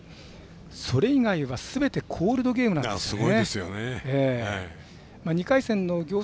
それ以外はすべてコールドゲームなんですよね。